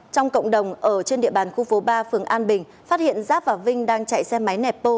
trong cộng đồng ở trên địa bàn khu phố ba phường an bình phát hiện giáp và vinh đang chạy xe máy nẹp bô